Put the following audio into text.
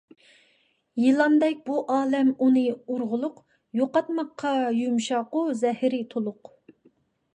يىلاندەك بۇ ئالەم ئۇنى ئۇرغۇلۇق، يوقاتماققا يۇمشاقۇ، زەھىرى تولۇق.